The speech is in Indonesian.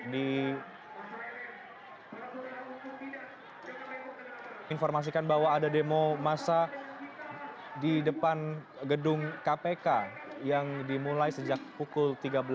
diinformasikan bahwa ada demo masa di depan gedung kpk yang dimulai sejak pukul tiga belas